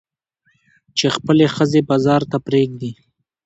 چې خپلې ښځې بازار ته پرېږدي.